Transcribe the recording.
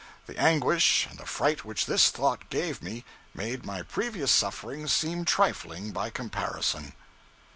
The anguish and the fright which this thought gave me made my previous sufferings seem trifling by comparison.